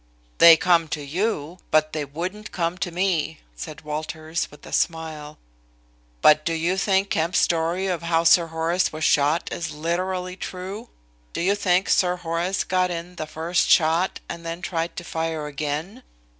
"They come to you, but they wouldn't come to me," said Walters with a smile. "But do you think Kemp's story of how Sir Horace was shot is literally true? Do you think Sir Horace got in the first shot and then tried to fire again?